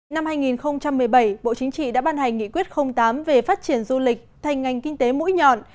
năm hai nghìn một mươi bảy bộ chính trị đã ban hành nghị quyết tám về phát triển du lịch thành ngành kinh tế mũi nhọn